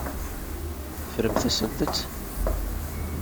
Teffremt-asent-tt.